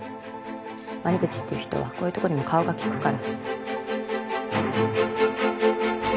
鰐淵っていう人はこういうとこにも顔が利くから。